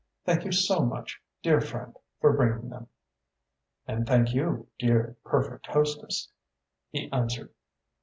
Thank you so much, dear friend, for bringing them." "And thank you, dear perfect hostess," he answered.